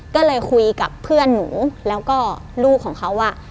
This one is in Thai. ก็เลยคุยกับเพื่อนหนูแล้วก็ลูกของเขาว่า